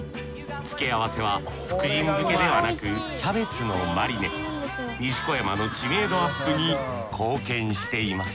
付け合わせは福神漬けではなく西小山の知名度アップに貢献しています